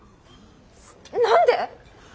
何で！？